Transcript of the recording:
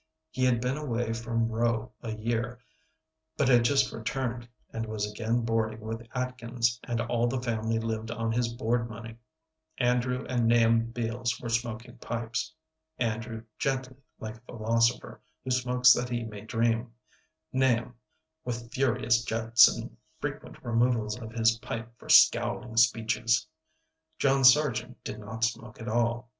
He had been away from Rowe a year, but had just returned, and was again boarding with Atkins, and all the family lived on his board money. Andrew and Nahum Beals were smoking pipes. Andrew gently, like a philosopher, who smokes that he may dream; Nahum with furious jets and frequent removals of his pipe for scowling speeches. John Sargent did not smoke at all.